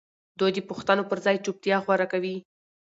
دوی د پوښتنو پر ځای چوپتيا غوره کوي.